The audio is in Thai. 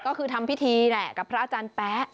ก็คือทำพิธีแหละกับพระอาจารย์แป๊ะ